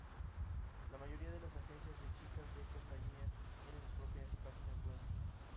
La mayoría de las agencias de chicas de compañía tienen sus propias páginas web.